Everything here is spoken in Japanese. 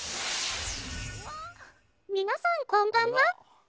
皆さんこんばんは。